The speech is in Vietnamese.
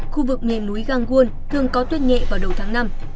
khu vực miền núi gangwon thường có tuyên nhẹ vào đầu tháng năm